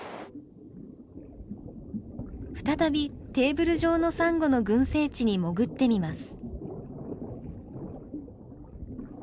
再びテーブル状のサンゴの群生地に潜ってみます。